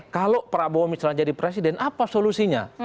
kalau prabowo misalnya jadi presiden apa solusinya